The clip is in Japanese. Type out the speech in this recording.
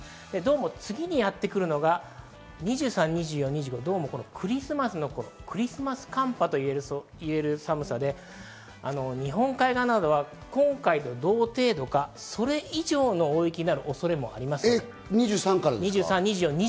次にやってくるのが２３、２４、２５、クリスマス寒波といえる寒さで、日本海側などは今回と同程度か、それ以上の大雪になる恐れもあります。